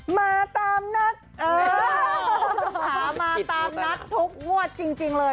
มาตามนัดเออมาตามนัดทุกมูดจริงเลย